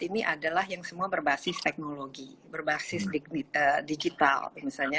ini adalah yang semua berbasis teknologi berbasis digital misalnya